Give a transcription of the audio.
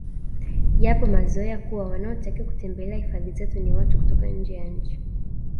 Yapo mazoea kuwa wanaotakiwa kutembelea hifadhi zetu ni watu kutoka nje ya nchi